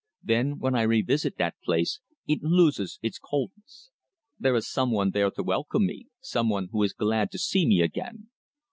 Then, when I revisit that place, it loses its coldness. There is some one there to welcome me, some one who is glad to see me again.